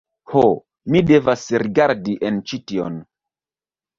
Ho, mi devas rigardi en ĉi tion